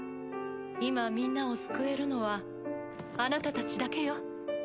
今みんなを救えるのはあなたたちだけよ。